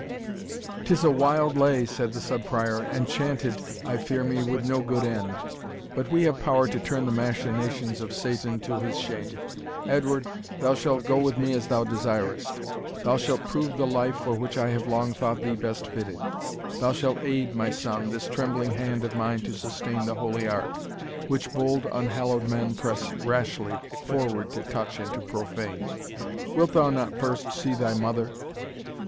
"'Tis a wild lay," said the Sub Prior, "and chanted, I fear me, with no good end. But we have power to turn the machinations of Satan to his shame. Edward, thou shalt go with me as thou desirest; thou shalt prove the life for which I have long thought thee best fitted thou shalt aid, my son, this trembling hand of mine to sustain the Holy Ark, which bold unhallowed men press rashly forward to touch and to profane. Wilt thou not first see thy mother?"